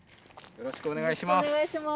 よろしくお願いします。